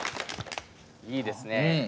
いいですね。